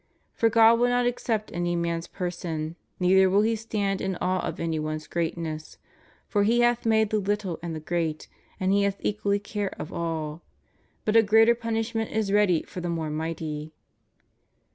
... For God will not accept any man's per son, neither will He stand in awe of any one's greatness: for He hath made the little and the great, and He haih equally care of all. But a greater punishment is ready for the more mighty.